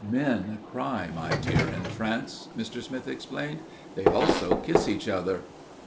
"Men cry, my dear, in France," Mr. Smith explained. "They also kiss each other."